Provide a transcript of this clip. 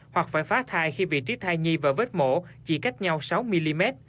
hoặc phải phá thai khi vị trí thai nhi và vết mổ chỉ cách nhau sáu mm